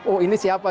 oh ini siapa